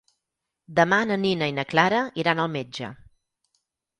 Demà na Nina i na Clara iran al metge.